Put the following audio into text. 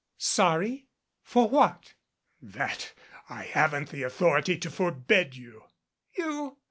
"Sorry? For what?" "That I haven't the authority to forbid you." "You?"